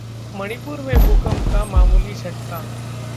मणिपुर में भूकंप का मामूली झटका